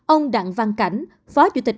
ông đặng văn cảnh phó chủ tịch